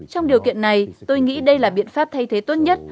trong điều kiện này tôi nghĩ đây là biện pháp thay thế tốt nhất